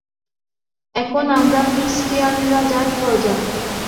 এখন আমরা খ্রীষ্টিয়ান রাজার প্রজা।